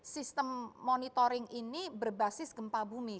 sistem monitoring ini berbasis gempa bumi